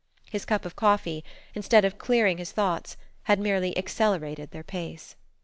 His cup of coffee, instead of clearing his thoughts, had merely accelerated their pace.